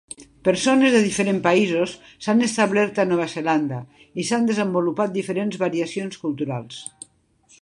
Persones de diferents països s'han establert a Nova Zelanda, i s'han desenvolupat diferents variacions culturals.